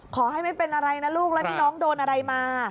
ขอให้ไม่เป็นอะไรนะลูกแล้วที่น้องโดนอะไรมา